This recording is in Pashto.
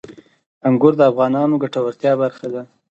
انګور د افغانانو د ګټورتیا برخه ده.